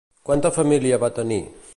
Quanta família va tenir?